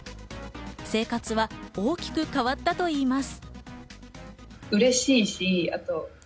生活は大きく変わったといいます。